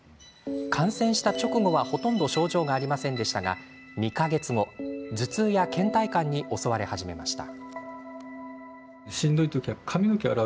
感染した直後は、ほとんど症状がありませんでしたが２か月後、頭痛やけん怠感に襲われ始めました。